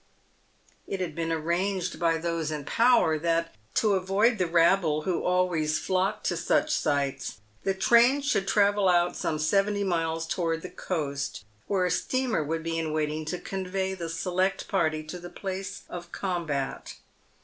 It had been arranged by those in power that, to avoid the rabble who always flock to such sights, the train should travel out some seventy miles towards the coast, where a steamer would be in wait ing to convey the select party to the place of combat.